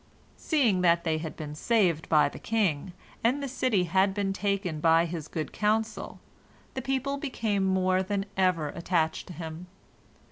Seeing that they had been saved by the king, and the city had been taken by his good counsel, the people became more than ever attached to him.